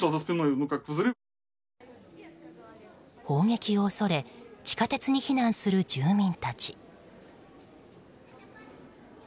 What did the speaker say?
砲撃を恐れ地下鉄に避難する住民たち。